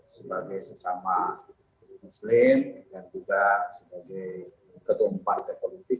sebagai sesama muslim dan juga sebagai ketua umum partai politik